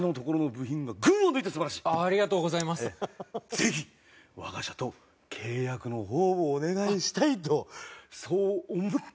ぜひ我が社と契約の方をお願いしたいとそう思った。